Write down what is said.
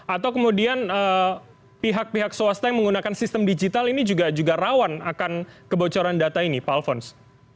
atau kemudian pihak pihak swasta yang menggunakan sistem digital ini juga rawan akan kebocoran data ini pak alfons